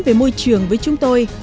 về môi trường với chúng tôi